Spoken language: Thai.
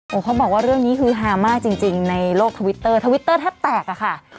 โอ้โหเขาบอกว่าเรื่องนี้คือฮามากจริงในโลกทวิตเตอร์ทวิตเตอร์แทบแตกอะค่ะ